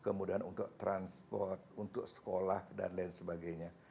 kemudian untuk transport untuk sekolah dan lain sebagainya